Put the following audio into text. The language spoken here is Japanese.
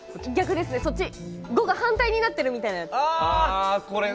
五が反対になっているみたいなやつ。